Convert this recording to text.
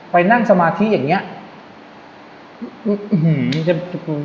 ไปนั่งสมาธิอย่างเงี้ยอื้อหนิ